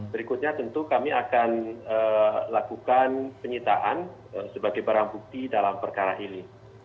berikutnya tentu kami akan lakukan penyitaan sebagai barang bukti dalam perkara ini